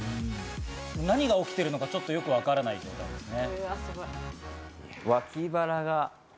何が起きてるのか、ちょっとよくわからない状態ですね。